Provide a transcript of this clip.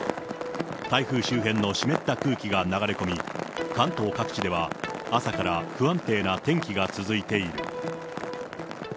台風周辺の湿った空気が流れ込み、関東各地では朝から不安定な天気が続いている。